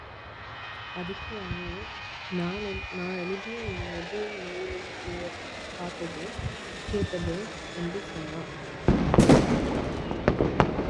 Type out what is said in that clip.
அதற்கு அவன்— நான் எழுதிய முதல் நூலின் பெயர்— கண்டதும் கேட்டதும் —என்று சொன்னான்.